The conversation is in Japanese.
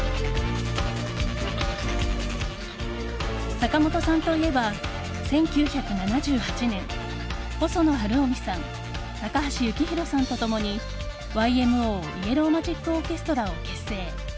坂本さんといえば１９７８年、細野晴臣さん高橋幸宏さんと共にＹＭＯ、イエロー・マジック・オーケストラを結成。